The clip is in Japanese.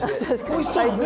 おいしそうですね。